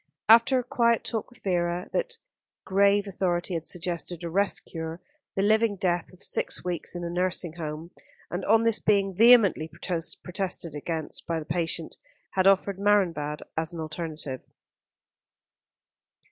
After a quiet talk with Vera, that grave authority had suggested a rest cure, the living death of six weeks in a nursing home; and on this being vehemently protested against by the patient, had offered Marienbad as an alternative.